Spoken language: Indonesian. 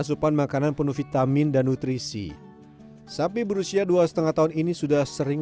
asupan makanan penuh vitamin dan nutrisi sapi berusia dua lima tahun ini sudah sering